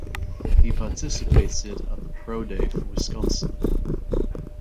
He participated at the pro day for Wisconsin.